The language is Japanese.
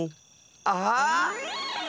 あっ！